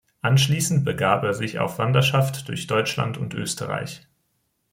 Anschließend begab er sich auf Wanderschaft durch Deutschland und Österreich.